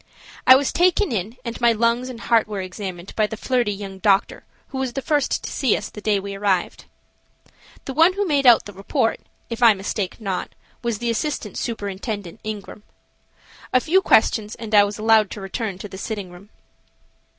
I was taken in and my lungs and my heart were examined by the flirty young doctor who was the first to see us the day we entered. The one who made out the report, if I mistake not, was the assistant superintendent, Ingram. A few questions and I was allowed to return to the sitting room.